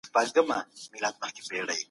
سوچه پښتو ژبه د پښتنو د رواني ارامتیا وسیله ده